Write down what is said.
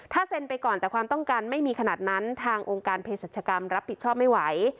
ถ้าเซ็นไปก่อนแต่ความต้องการไม่มีขนาดนั้นทางองค์การเพศรัชกรรมรับผิดชอบไม่ไหว